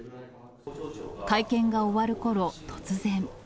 会見が終わるころ、突然。